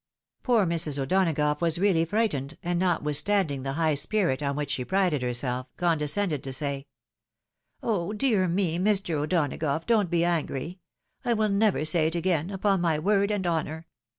" Poor Mrs. O'Donagough was really frightened, and notwith standing the high spirit on which she prided herself, condescended to say, "Oh, dear me! Mr. O'Donagough, don't be angry ! I will never say it again, upon my word and honour.